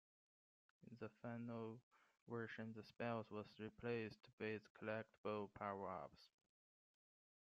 In the final version, the spells were replaced with collectible powerups.